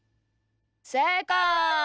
せいかい！